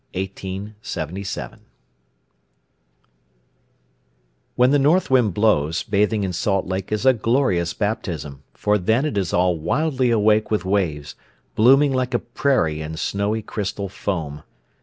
VIII. Bathing in Salt Lake When the north wind blows, bathing in Salt Lake is a glorious baptism, for then it is all wildly awake with waves, blooming like a prairie in snowy crystal foam.